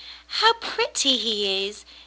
"How pretty he is !